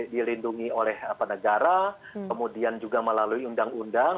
dilindungi oleh negara kemudian juga melalui undang undang